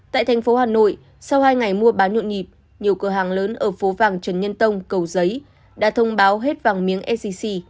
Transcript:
tại thành phố hà nội sau hai ngày mua bán nhộn nhịp nhiều cửa hàng lớn ở phố vàng trần nhân tông cầu giấy đã thông báo hết vàng miếng sgc